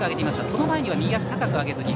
その前に、右足を高く上げずに。